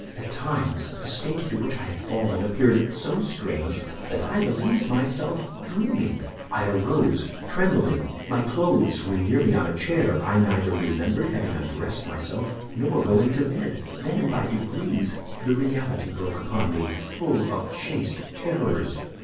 "At times the state into which I had fallen appeared so strange that I believed myself dreaming. I arose trembling. My clothes were near me on a chair; I neither remembered having undressed myself nor going to bed. Then by degrees the reality broke upon me, full of chaste terrors.